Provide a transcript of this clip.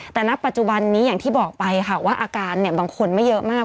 แต่ณปัจจุบันนี้อย่างที่บอกไปค่ะว่าอาการบางคนไม่เยอะมาก